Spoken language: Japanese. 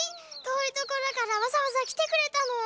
とおいところからわざわざきてくれたの？